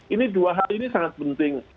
ini dua hal ini sangat penting